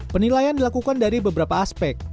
penilaian dilakukan dari beberapa aspek